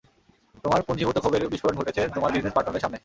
তোমার পুঞ্জীভূত ক্ষোভের বিস্ফোরণ ঘটেছে তোমার বিজনেস পার্টনারের সামনে!